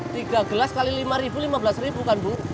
tiga gelas kali lima ribu lima belas ribu kan bu